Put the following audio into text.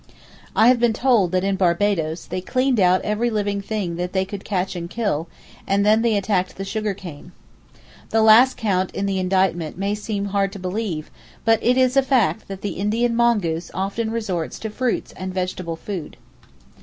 I have been told that in Barbadoes "they cleaned out every living thing that they could catch and kill, and then they attacked the sugar cane." The last count in the indictment may seem hard to believe; but it is a fact that the Indian mongoose often resorts to fruit and vegetable food.